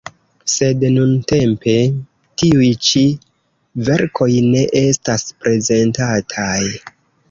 Sed nuntempe tiuj ĉi verkoj ne estas prezentataj.